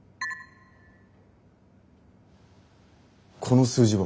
この数字は？